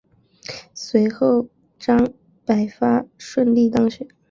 随后张百发顺利当选。